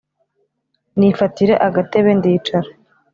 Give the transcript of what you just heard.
nifatira agatebe ndicara